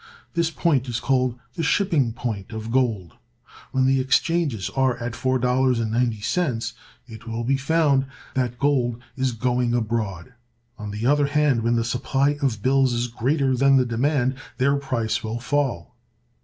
This point is called the "shipping point" of gold. When the exchanges are at $4.90, it will be found that gold is going abroad. On the other hand, when the supply of bills is greater than the demand, their price will fall.